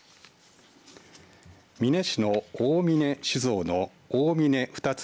美祢市の大嶺酒造の大嶺２粒